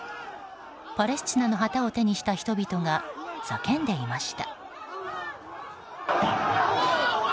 パレスチナの旗を手にした人々が叫んでいました。